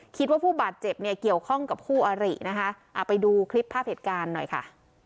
เกี่ยวข้องกับคู่อรินะคะเอาไปดูคลิปภาพเหตุการณ์หน่อยค่ะ